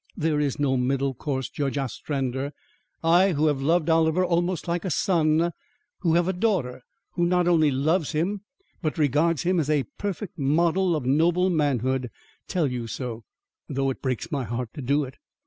There is no middle course, Judge Ostrander. I who have loved Oliver almost like a son; who have a daughter who not only loves him but regards him as a perfect model of noble manhood, tell you so, though it breaks my heart to do it.